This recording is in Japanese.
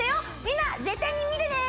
みんな絶対に見てね！